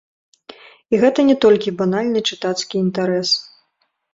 І гэта не толькі банальны чытацкі інтарэс.